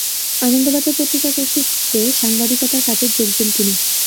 আনন্দবাজার পত্রিকা গোষ্ঠীতে সাংবাদিকতার কাজে যোগ দেন তিনি।